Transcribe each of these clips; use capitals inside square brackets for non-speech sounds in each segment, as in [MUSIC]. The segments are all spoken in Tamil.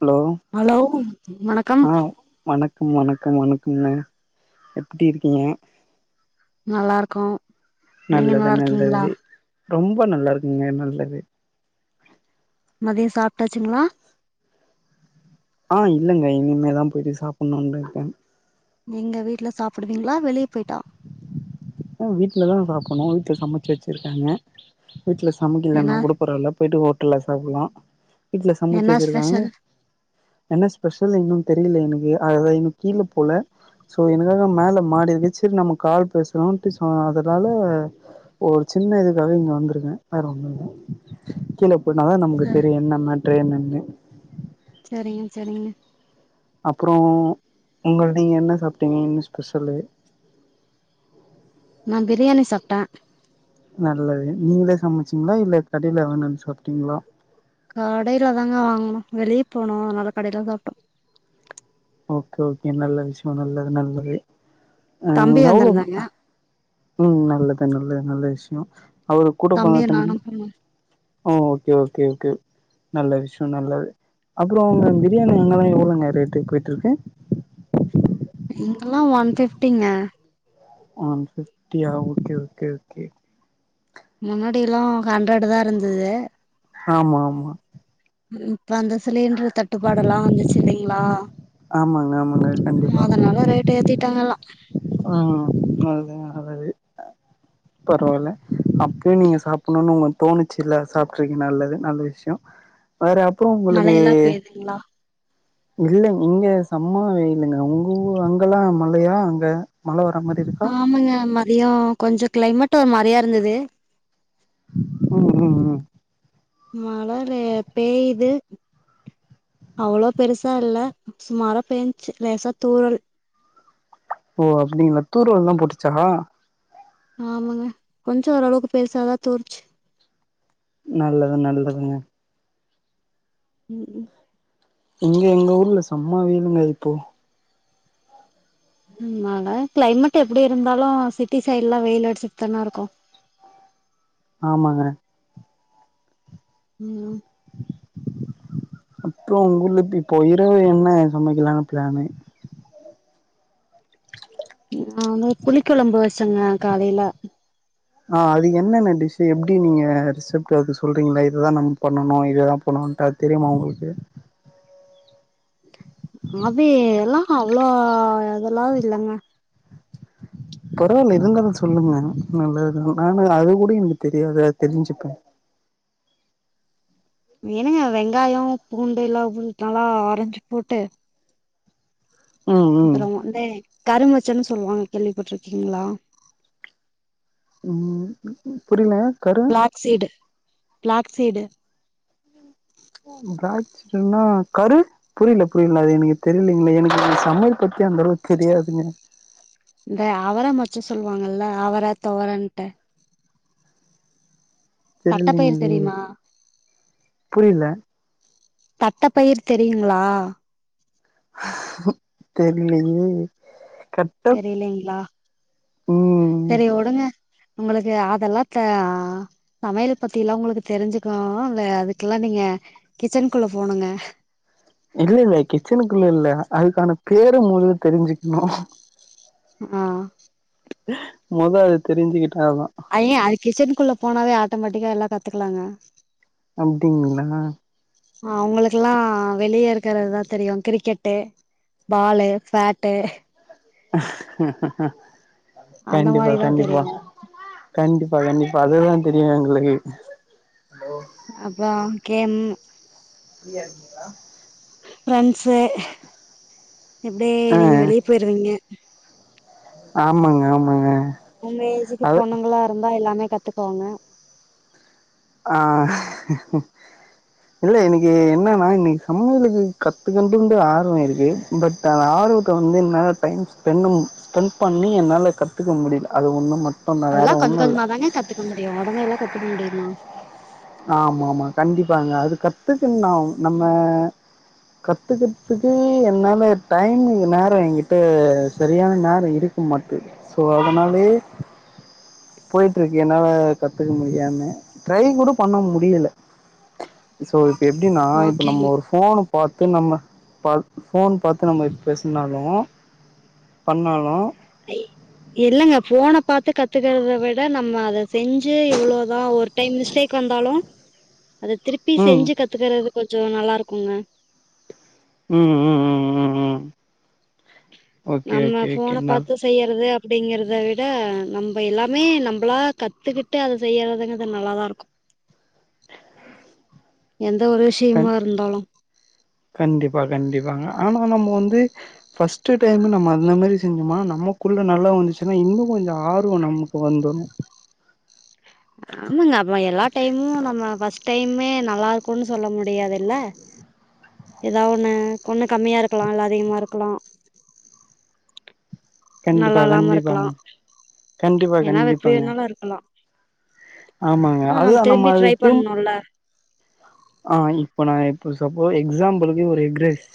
ஹலோ ஹலோ வணக்கம் ஆ வணக் ம் வணக்கோ வணக்கங்க எப்டி இருக்கீங்க நல்லாருக்கோ நீங்க நல்லது நல்லாருக்கிங்ளா நல்லது ரொம்ப நல்லாருக்கேங்க நல்லது மதியோ சாப்ட்டாச்சுங்ளா ஆ இல்லங்க இனிமே தா போய்ட்டு சாப்புண்ணுன்ருக்கே எங்க வீட்ல சாப்டுவிங்ளா வெளிய போயிட்டா ம் வீட்ல தாங்க சாப்புண்ணு வீட்ல சமச்சு வச்சுருக்காங்க வீட்ல சமைக்கலன்னா ஏன்னா கூட பரவால போயிட்டு ஹோட்டல்ல சாப்புல்லா வீட்ல சமச்சு என்ன வச்சிருக்காங்க ஸ்பெஷல் என்ன ஸ்பெஷல் இன்னு தெரில எனக்கு அது தா இன்னு கீழ போல சோ எனக்காக மேல மாடிருக்கு செரி நம்ம கால் பேஸ் கிரவுண்டிஸ் [INAUDIBLE] அதனால ஒரு சின்ன இதுக்காக இங்க வந்துருக்கே வேற ஒன்னு இல்ல கீழ போனாதா நமக்கு அ தெரியு என்ன மேட்ரு என்னனு செரிங்க செரிங்க அப்றோ உங்க நீங்க என்ன சாப்ட்டீங்க என்ன ஸ்பெஷலு நா பிரியாணி சாப்ட்டே நல்லது நீங்களே சமச்சீங்ளா இல்ல கடைல வாங்கினு வந்து சாப்ட்டீங்ளா கடைல தாங்க வாங்குனோ வெளிய போனோ அதனால கடைல தா சாப்ட்டோ ஓகே ஓகே நல்ல விஷ்யோ நல்லது நல்லது அ தம்பி எவ்ளோ வந்திருந்தாங்க ம் நல்லது நல்லது நல்ல விஷ்யோ அவரு கூட தம்பியு போனத்தாண்டி நானு போனோ ஓ ஓகே ஓகே ஓகே நல்ல விஷ்யோ நல்லது அப்றோ அங்க பிரியாணி அங்கலா எவ்ளோங்க ரேட்டு போயிட்ருக்கு இங்கெல்லா ஒன் ஃபிஃப்டிங்க ஒன் ஃபிஃப்டியா ஓகே ஓகே ஓகே முன்னாடியெல்லா ஹண்ட்ரெட் தா இருந்துது ஆமா ஆமா இப்ப அந்த சிலிண்ட்ரு தட்டுப்பாடுல்லா வந்து சில்லைங்ளா ஆமாங்க ஆமாங்க ம் கண்டிப்பா அதனால ரேட்ட ஏத்திட்டாங்க எல்லா ம் அதா [UNINTELLIGIBLE] பரவால்ல அப்பயே நீங்க சாப்புண்ணுன் உங்க தோணுச்சுல்ல சாப்ட்ருக்கீங் நல்லது நல்ல விஷ்யோ வேற அப்றோ உங்குளுக்கு மழையெல்லா பெய்துங்களா இல்லங் இங்கே சம்ம வெயிலுங்க உங்க ஊ அங்கல்லா மழையா அங்க மழ வர மார் ஆமாங்க மதியோ கொஞ்சோ கிளைமேட் ஒரு மாரியா இருந்துது ம் ம் ம் மழவே பெய்யுது அவ்ளோ பெருசா இல்ல சுமாரா பேஞ்ச்சு லேசா தூறல் ஓ அப்டிங்ளா தூறல்லா போட்டுச்சா ஆமாங்க கொஞ்சோ ஓரளவுக்கு பெருசாதா தூறுச்சு நல்லது நல்லதுங்க ம் ம் எங்க எங்க ஊர்ல செம்ம வெயிலுங்க இப்போ ம் நால கிளைமேட் எப்டி இருந்தாலு சிட்டி சைடுல வெயில் அடிச்சிட்டு தான இருக்கும் ஆமாங்க ம் அப்போ உங்க ஊர்ல இப்போ இரவு என்ன சமைக்கலானு பிளானு நாங்க புளிக்கொழம்பு வச்சோங்க காலையில ஆ அது என்னென்ன டிஷ் எப்டி நீங்க ரிசப்ட் அது சொல்றீங்களா இதுதா நம்ம பண்ணனு இதுதா பண்ணன்ட்டு அ தெரிமா உங்களுக்கு அபி எல்லா அவ்ளோ அதெல்லா இல்லங்க பரவாயில்ல இருந்தாலும் சொல்லுங்க நல்லதுதா நானு அது கூட தெரியாது தெரிஞ்சிப்போ என்னங்க வெங்காயம் பூண்டு எல்லா நாலா அரஞ்சி போட்டு ம் ம் அப்றோ வந்து கரு மச்சன்னு சொல்லுவாங்க கேள்விப்பட்டு இருக்கீங்களா ம் புரில கரு பிளாக்சீடு பிளாக்சீடு பிளாக்சீடுனா கரு புரில புரில அது எனக்கு தெரிலிங்க எனக்கு இந்த சமையல் பத்தி அந்த அளவுக்கு தெரியாதுங்க இந்த அவர மச்ச சொல்லுவாங்கல்ல அவர துவரன்ட்டு தட்டப்பயிர் தெரிலிங்கே தெரியுமா புரில தட்ட பயிர் தெரியுங்களா தெரிலியே கட் தெரிலிங்களா ம் செரி விடுங்க உங்களுக்கு அதெல்லா த சமையல் பத்தி எல்லா உங்களுக்கு தெரிஞ்சுக்கனுல அதுக்கெல்லா நீங்க கிச்சனுக்குள்ள போகனுங்க இல்ல இல்ல கிச்சனுக்குள்ள இல்ல அதுக்கான பேரு மொதல்ல தெரிஞ்சிக்கணு ஆ மொத அத தெரிஞ்சிகிட்டா தா ஐய்யே அது கிச்சனுக்குள்ள போனாவே ஆட்டோமேட்டிக்கா எல்லா கத்துக்கலாங்க அப்டிங்களா அவங்களுக்கெல்லா வெளிய இருக்கறதுதா தெரியு கிரிக்கெட்டு பாலு ஃபேட்டு அந்த கண்டிப்பா மாரிதா கண்டிப்பா தெரியு கண்டிப்பா கண்டிப்பா அதுதா தெரியு எங்களுக்கு அப்பம் கேம் ஃப்ரியா இருக்கீங்களா ஃப்ரெண்ட்ஸ்சு இப்டி ஆ நீங்க வெளிய போயிருவீங்க ஆமாங்க ஆமாங்க உங்க ஏஜுக்கு அது பொண்ணுங்களா இருந்தா எல்லாமே கத்துக்குவாங்க ஆ இல்ல இன்னைக்கு என்னன்னா இன்னைக்கு சமையலக்கு கத்துக்கண்டு ஆர்வம் இருக்கு பட் அந்த ஆர்வத்த வந்து என்னால்ல டைம் ஸ்பெண்ணு ஸ்பெண்ட் பண்ணி என்னால கத்துக்க முடியல அது ஒண்ணு மட்டுதா வேற அதெல்லா கொஞ்ச ஒண்ணு இல்ல கொஞ்சமா தாங்க கத்துக்க முடியும் உடனே எல்லா கத்துக்க முடியுமா ஆமா ஆமா கண்டிப்பாங்க அது கத்துக்கன்னும் நம்ம கத்துக்கிறதுக்கு என்னால டைமுக்கு நேரம் என்கிட்ட சரியான நேர இருக் மாட்டு ஸோ அதனாலயே போயிட்ருக்கு என்னால கத்துக்க முடியாம ட்ரை கூட பண்ண முடியில சோ இப்ப எப்டின்னா இப்ப ஓகேங்க நம்ம ஒரு ஃபோனு பாத்து நம்ம பா ஃபோன் பாத்து நம்ம இப் பேசுனாலு பண்ணாலு அ இல்லங்க ஃபோன பாத்து கத்துக்கிறத விட நம்ம அத செஞ்சு இவ்வளோதா ஒரு டைம் மிஸ்டேக் வந்தாலு அத திருப்பி ம் செஞ்சு கத்துக்கிறது கொஞ்சோ நல்லாருக்குங்க ம் ம் ம் ம் ம் ம் ஓகே நம்ம ஓகே ஓகே ஃபோன நல் பாத்து செய்யறது அப்படிங்கிறத விட நம்ப எல்லாமே நம்ப்ளா கத்துகிட்டு அத செய்யறதுங்கிறது நல்லாதா இருக்கு எந்த ஒரு கண் விஷியமா இருந்தாலு கண்டிப்பா கண்டிப்பாங்க ஆனா நம்ம வந்து ஃபஸ்ட்டு டைமு நம்ம அந்த மாரி செஞ்சோமனா நமக்குள்ள நல்லா வந்துச்சுன்னா இன்னு கொஞ்சோ ஆர்வோ நமக்கு வந்துரு ஆமாங்க அப்ப எல்லா டைமு நம்ம ஃபஸ்ஸ்ட் டைமே நல்லா இருக்குன் சொல்ல முடியாது இல்ல எத ஒண்ணு ஒண்ணு கம்மியா இருக்கலா இல்ல அதிகமா இருக்கலா கண்டிப்பா நல்லா இல்லாம இருக்கலா கண்டிப்பாங்க கண்டிப்பா ஏனா அவ எப்டி கண்டிப்பாங்க வேணாலு இருக்கலா ஆமாங்க ஆனா நம்ம அதுதா திரும்பி அது ட்ரை திரும்ப பண்ணூல்ல ஆ இப்ப நா இப்ப சப்போ எக்ஸாம்பிளுக்கு ஒரு எக்ரைஸ்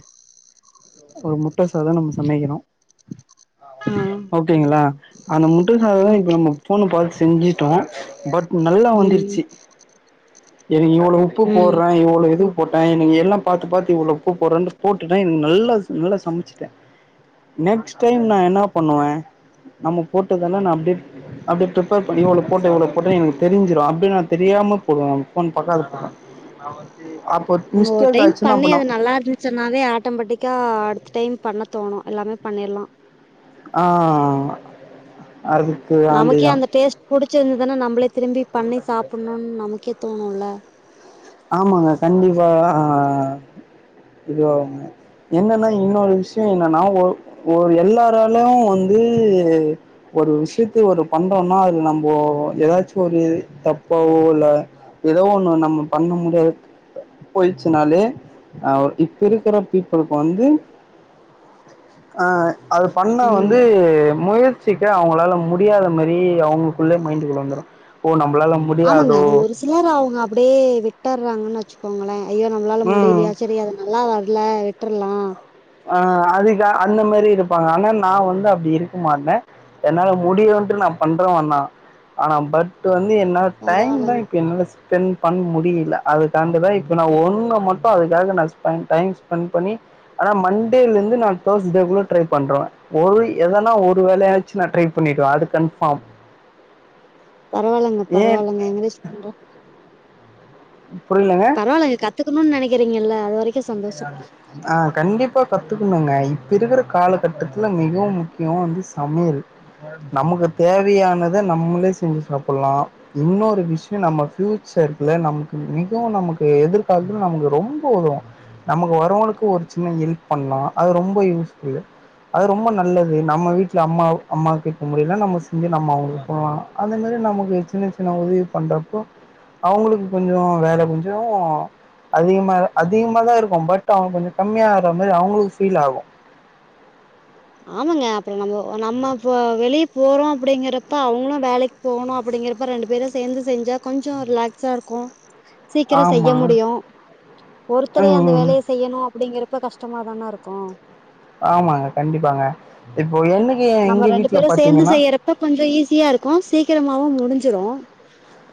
ஒரு முட்ட சாதோ நம்ம சமைக்கிரோ ஆ ஓகேங்களா அந்த முட்ட சாதோ இப்ப ஓகே நம்ம ஃபோன பாத்து செஞ்சுட்டோ பட் நல்லா ம் வந்துருச்சு எனுக் இவ்வுளோ உப்பு ம் போட்றே இவ்வுளோ இது போட்டே எனக்கு எல்லா பாத்து பாத்து இவ்வுளோ உப்பு போட்றன்ட்டு போட்டுட்டே எனக்கு நல்லா நல்லா சமச்சுட்டே நெக்ஸ்ட் டைம் நா என்னி பண்ணுவே நம்ம போட்டதெல்ல நா அப்டே அப்டே ப்ரிப்பர் பண்ணி இவ்ளோ போட்டே இவ்ளோ போட்டே எனக்கு தெரிஞ்சிரூ அப்டி நா தெரியாம போடுவே நா ஃபோன் பாக்காத போடுவே அப்போ மிஸ்டேக் ஆய்ச்சினா அப்ப நா சொன்னாவே ஆட்டோமேட்டிக்கா அடுத்த டைம் பண்ண தோணு எல்லாமே பண்ணிற்லா ஆ அதுக் நமக்கே அந்த டேஸ்ட் புடிச்சிருந்துதனா நம்பளே திரும்பி பண்ணி சாப்பிட்ணுன் நமக்கே தோணுல ஆமாங்க கண்டிப்பா [UNINTELLIGIBLE] இதுவாவுங்க என்னனா இன்னொரு விஷியோ என்னனா ஒ ஒரு எல்லாராலயு வந்து ஒரு விஷியத்த ஒரு பண்றோனா அது நம்போ எதாச்சு ஒரு தப்பாவோ இல்ல எதோ ஒண்ணு நம்ம பண்ண முடியாது போயிச்சுனாலே அ இப்ப இருக்கிற பீப்புளுக் வந்து அ அது பண்ண வந்து ம் முயற் சிக்கு அவுங்களால முடியாத மாரி அவுங்களுக்குள்ளே மைண்டுக்குள்ள வந்துரு ஓ நம்பளால ஆமாங்க முடியாதோ அது ஒரு சிலர் அவுங்க அப்படியே விட்டற்றாங்கனு வெச்சுக்கோங்களே ஐயோ நம்ப்ளால ம் முடிலியா செரி அத நல்லா வரல விட்டுர்லா ஆ அதிக அந்த மாரி இருப்பாங்க ஆனா நா வந்து அப்டி இருக்க மாட்டே என்னால முடியூன்ட்டு நா பண்றவன் நா ஆனா பட்டு வந்து என்னால் பரவால்லங்க டைம்தா இப்ப என்னால ஸ்பெண் பண்ண முடியல அதுக்கான்டுதா இப்போ நா ஒன்னு மட்டு அதுக்காக நா ஸ்பை டைம் ஸ்பெண் பண்ணி ஆனா மண்டேலெந்து நா தேஸ்டேகுள்ள ட்ரை பண்றுவே ஒரு எதனா ஒரு வேலையாச்சு நா ட்ரை பண்ணிடுவே அது கன்ஃபாம் பரவாயில்லைங்க ஏன் பரவாயில்லைங்க எங்கரேஜ் பண்றே புரியலங்க பரவாயில்லங்க கத்துக்கணு நனைக்கிறீங்கல்ல அது வரைக்கு சந்தோஷொ ஆ கண்டிப்பா கத்துக்கணுங்க இப்ப இருக்கிற காலகட்டத்துல மிகவும் முக்கியம் வந்து சமையல் நமக்கு தேவையானத நம்மளே செஞ்சு சாப்புலாம் இன்னொரு விஷயம் நம்ம ஃபியூச்சர்க்குல நமக்கு மிகவும் நமக்கு எதிர்காலத்து நமக்கு ரொம்ப உதவும் நமக்கு வரவங்களுக்கு ஒரு சின்ன ஹெல்ப் பண்லாம் அது ரொம்ப யூஸ்ஃபுல்லு அது ரொம்ப நல்லது நம்ம வீட்டுல அம்மா அம்மாகிட்ட முடில்ல நம்ம செஞ்சு நம்ம அவுங்களுக்கு பண்லாம் அந்த மாரி நமக்கு சின்ன சின்ன உதவி பண்றப்போ அவுங்களுக்கு கொஞ்ஜோ வேல மிஞ்சும் அதிகமா அதிகம் மாதா இருக்கும் பட் அவுங்க கொஞ்சம் கம்மியாகற மாரி அவுங்களுக்கு ஃபீல் ஆகும் ஆமாங்க அப்புறம் நம்மோ நம்ம இப்ப வெளியே போறோம் அப்டிங்கிறப்ப அவுங்ளும் வேலைக்கு போனோ அப்டிங்கறப்ப ரெண்டு பேரும் சேந்து செஞ்சா கொஞ்ஜோ ரிலாக்ஸா இருக்கும் சீக்கரொ செய்ய ஆமா முடியும் ஒருத்தரே அந்த ம் வேலைய செய்யணும் அப்டிங்கறப்ப கஷ்டமாதான இருக்கும் ஆமாங்க கண்டிப்பாங்க இப்போ என்னக்கு எங்க வீட்ல பாத்தீங்கன்னா அப்ப கொஞ்ஜோ ஈஸியா இருக்கும் சீக்கிரமாவும் முடிஞ்சிரும்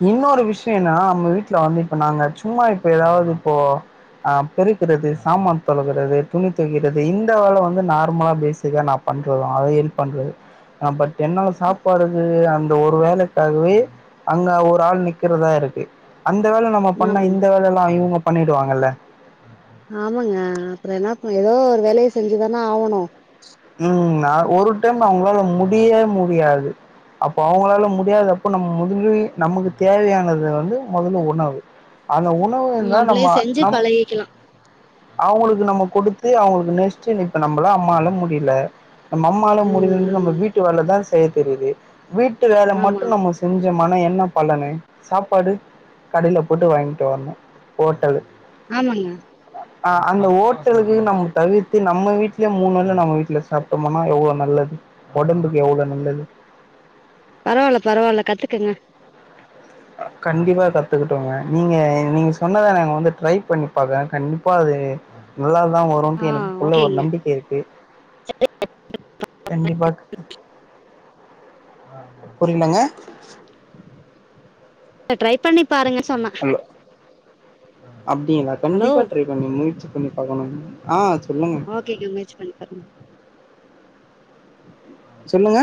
இன்னொரு விஷயம்னா நம்ம வீட்ல வந்து இப்ப நாங்க சும்மா இப்ப எதாவ்து இப்போ ஆ பெருக்கிறது சாமான் தொழகுறது துணி தொவக்கிறது இந்த வேல வந்து நார்மலா பேசிக்கா நா பண்றதுதா அத ஹெல்ப் பண்றது ஆ பட் என்னால சாப்பாடுன்றது அந்த ஒரு வேலைக்காகவே அங்க ஒரு ஆள் நிக்கிறதா இருக்கு அந்த வேல நம்ம பண்ணா ஆமாங்க இந்த வேல எல்லாம் இவுங்க பண்ணிடுவாங்கல்ல ஆமாங்க அப்புறம் என்ன ஏதோ ஒரு வேலைய செஞ்சுதான ஆகணும் ம் நா ஒரு டைம் நா உங்களால முடிய முடியாது அப்போ அவுங்களால முடியாதப்ப நம்ம முடிவு நமக்கு தேவையானது வந்து மொதல்ல உணவு அந்த உணவு இந்தா நம்பளே நம்ம செஞ்சு நம் பழகிக்கலா அவுங்களுக்கு நம்ம கொடுத்து அவுங்களுக்கு நெஸ்ட் இப்ப நம்ள அம்மால முடில நம்ம அம்மால முடிஞ்சது நம்ம ம் வீட்டு வேலதா செய்ய தெரியுது வீட்டு வேலை மட்டும் ஆமாங்க நம்ம செஞ்சோமான என்ன பலனு சாப்பாடு கடைல போட்டு வாங்கிட்டு வர்ணும் ஹோட்டலு ஆமாங்க ஆ அந்த ஓட்டலுக்கு நம்ம தவிர்த்து நம்ம வீட்லயே மூணு வேல நம்ம வீ ட்ல சாப்ட்டோம்னா எவ்ளோ நல்லது ஒடம்புக்கு எவ்ளோ நல்லது பரவால்ல பரவால்ல கத்துக்கங்க அ கண்டிப்பா கத்துக்கிட்டோங்க நீங்க நீங்க சொன்னத நாங்க வந்து ட்ரை பண்ணி பாக்கறேன் கண்டிப்பா அது நல்லாதான் ஆ வரும்ட்டு எனக்குக்குள்ள ஒரு ஓகேங்க நம்பிக்கை இருக்கு கண்டிப்பா புரியலங்க ட்ரை பண்ணி பாருங்க சொன்ன ஹலோ அப்டிங்ளா ஹலோ கண்டிப்பா ட்ரை பண்ணி முயற்சி பண்ணி பாக்கணுங்க ஆ சொல்லுங்க ஓகேங்க முயற்சி பண்ணி பாருங்க சொல்லுங்க